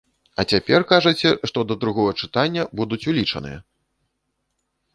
А цяпер кажаце, што да другога чытання будуць улічаныя.